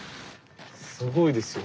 すごいですよ。